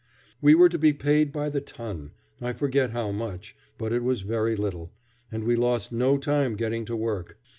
We were to be paid by the ton, I forget how much, but it was very little, and we lost no time getting to work.